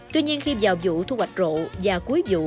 tuy nhiên khi vào vụ thu hoạch rộ và cuối vụ